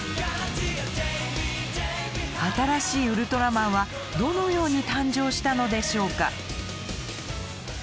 新しいウルトラマンはどのように誕生したのでしょうか？